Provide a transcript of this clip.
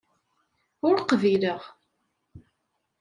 Ur qbileɣ.